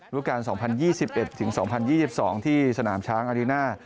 รุกราช๒๐๒๑๒๐๒๒ที่สนามช้างอารินา